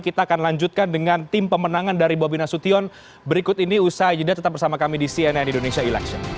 kita akan lanjutkan dengan tim pemenangan dari bobi nasution berikut ini